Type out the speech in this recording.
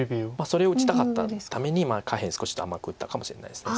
それを打ちたかったために下辺少し甘く打ったかもしれないです。